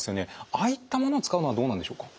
ああいったものを使うのはどうなんでしょうか？